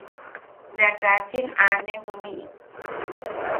Bea kachin aʼane juniʼi.